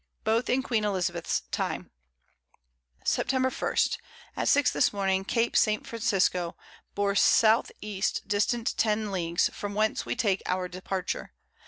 both in Queen Elizabeth's Time. Sept. 1. At 6 this Morning Cape St. Francisco bore S. E. distant 10 Leagues, from whence we take our Departure.